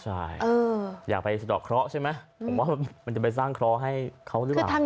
ใช่อยากไปสะดอกเคราะห์ใช่ไหมผมว่ามันจะไปสร้างเคราะห์ให้เขาหรือเปล่า